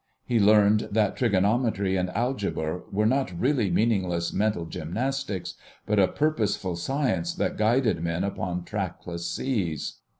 He learned that trigonometry and algebra were not really meaningless mental gymnastics, but a purposeful science that guided men upon trackless seas.